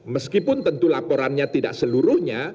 meskipun tentu laporannya tidak seluruhnya